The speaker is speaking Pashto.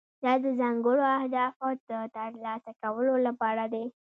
دا د ځانګړو اهدافو د ترلاسه کولو لپاره دی.